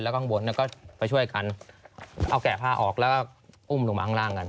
ข้างบนก็ไปช่วยกันเอาแกะผ้าออกแล้วก็อุ้มลงมาข้างล่างกัน